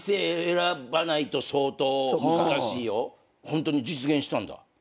ホントに実現したんだ？